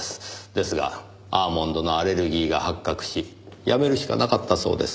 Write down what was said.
ですがアーモンドのアレルギーが発覚し辞めるしかなかったそうです。